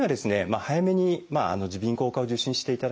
早めに耳鼻咽喉科を受診していただきたいと思います。